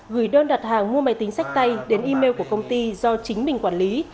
gửi đơn đặt hàng mua máy tính sách tay đến email của công ty do chính mình quản lý